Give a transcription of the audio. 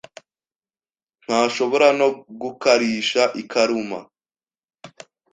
ntashobora no gukarisha ikaramu.